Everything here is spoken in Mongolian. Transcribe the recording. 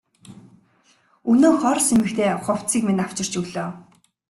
Өнөөх орос эмэгтэй хувцсыг минь авчирч өглөө.